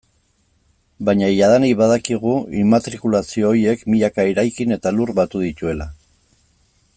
Baina jadanik badakigu immatrikulazio horiek milaka eraikin eta lur batu dituela.